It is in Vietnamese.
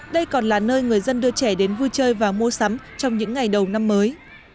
đây còn là nơi người dân đưa trẻ đến vui chơi và mua sắm trong những ngày đầu năm mới